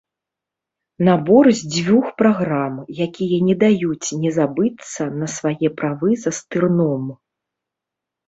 Набор з дзвюх праграм, якія не даюць не забыцца на свае правы за стырном.